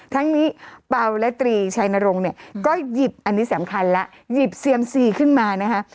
ทั้งนี้เป่าและตรีชัยนรงค์เนี่ยก็หยิบอันนี้สำคัญแล้วหยิบเซียมซีขึ้นมานะคะ